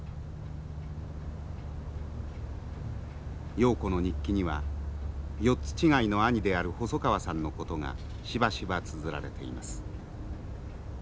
瑤子の日記には４つ違いの兄である細川さんのことがしばしばつづられています。